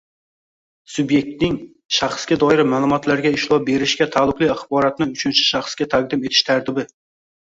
Subyektning shaxsga doir ma’lumotlariga ishlov berishga taalluqli axborotni uchinchi shaxsga taqdim etish tartibi